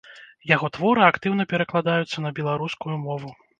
Яго творы актыўна перакладаюцца на беларускую мову.